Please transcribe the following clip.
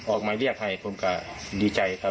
ออกมาเรียกให้ผมก็ดีใจ